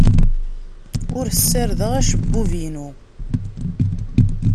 Ur ssardeɣ acebbub-inu.